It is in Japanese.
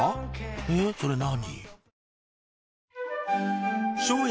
えっそれ何？